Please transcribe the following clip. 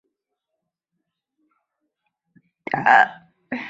段氏出身于段部鲜卑家族。